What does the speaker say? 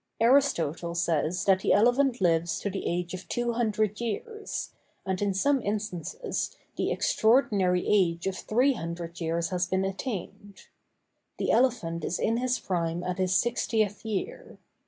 Aristotle says that the elephant lives to the age of two hundred years, and in some instances the extraordinary age of three hundred years has been attained. The elephant is in his prime at his sixtieth year.